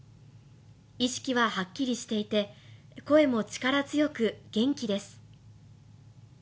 意識ははっきりしていて、声も力強く元気です。